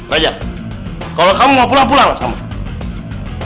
raja kalau kamu mau pulang pulanglah sama aku